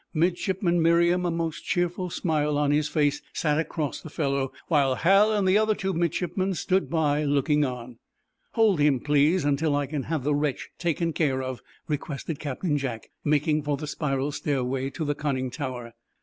Midshipman Merriam, a most cheerful smile on his face, sat across the fellow, while Hal and the other two midshipmen stood by, looking on. "Hold him please, until I can have the wretch taken care of," requested Captain Jack, making for the spiral stairway to the conning tower.